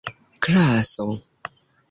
klaso